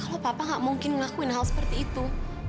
kalau papa gak mungkin ngelakuin hal seperti itu